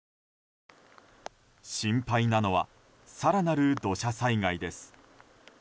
心配なのは更なる土砂災害です。